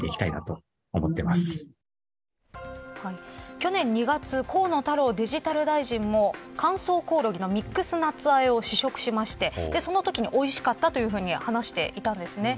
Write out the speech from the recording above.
去年２月河野太郎デジタル大臣も乾燥コオロギのミックスナッツあえを試食しましてそのときに、おいしかったと話していたんですね。